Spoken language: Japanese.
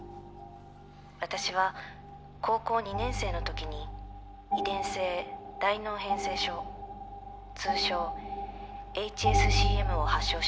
私は高校２年生の時に遺伝性大脳変性症通称ＨＳＣＭを発症しました。